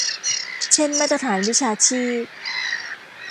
เช่นมาตรฐานวิชาชีพ